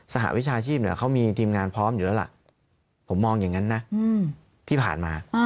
หวิชาชีพเขามีทีมงานพร้อมอยู่แล้วล่ะผมมองอย่างนั้นนะที่ผ่านมา